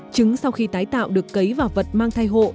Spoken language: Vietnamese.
trứng sau khi tái tạo được cấy vào vật mang thai hộ